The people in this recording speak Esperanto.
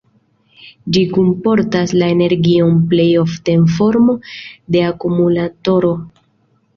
Ĝi kunportas la energion plej ofte en formo de akumulatoro.